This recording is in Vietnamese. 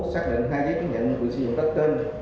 xác định hai giấy chứng nhận quyền sử dụng đất trên